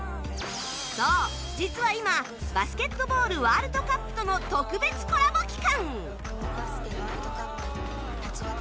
そう実は今バスケットボールワールドカップとの特別コラボ期間！